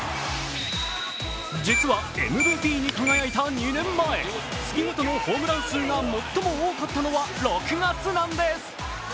実はＭＶＰに輝いた２年前、月ごとのホームラン数が最も多かったのが６月なんです。